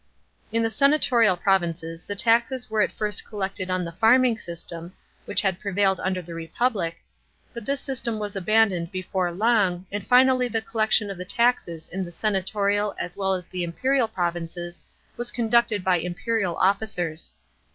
In the senatorial .provinces the taxes were at first collected on the farming system, which had prevailed under the Republic, but this system was abandoned before long, and finally the collection of the taxes in the senatorial as well as the imperial provinces was conducted by imperial officers.